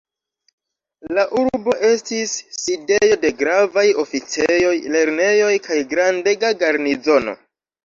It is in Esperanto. La urbo estis sidejo de gravaj oficejoj, lernejoj kaj grandega garnizono.